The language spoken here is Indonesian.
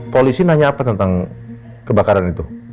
polisi nanya apa tentang kebakaran itu